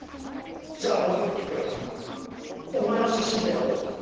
じゃあもう１つ聞くがお前の出身県はどこだ？